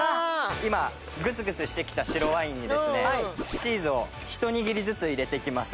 今グツグツしてきた白ワインにですねチーズを一握りずつ入れてきます。